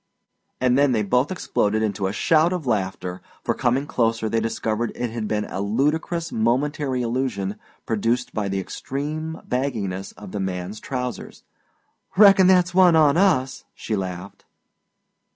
And then they both exploded into a shout of laughter, for coming closer they discovered it had been a ludicrous momentary illusion produced by the extreme bagginess of the man's trousers. "Reckon that's one on us," she laughed.